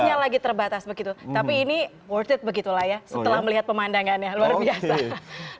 semuanya lagi terbatas begitu tapi ini worth it begitulah ya setelah melihat pemandangannya luar biasa